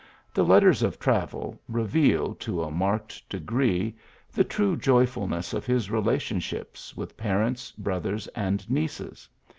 The Letters of Travel reveal, to a marked degree, the true joyfulness of his relationships with parents, brothers, and nieces.